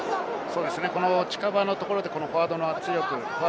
近場のところでフォワードの圧力。